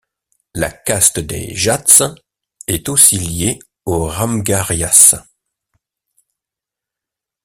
La caste des Jats est aussi liée aux Ramgarhias.